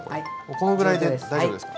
このぐらいで大丈夫ですか？